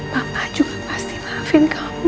mama juga pasti maafin kamu